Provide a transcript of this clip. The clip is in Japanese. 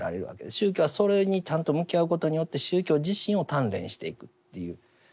宗教はそれにちゃんと向き合うことによって宗教自身を鍛錬していくというところがあります。